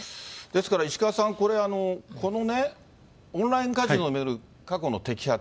ですから石川さん、このね、オンラインカジノを巡る過去の摘発。